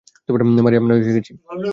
মারিয়া, আমরা এসে গেছি।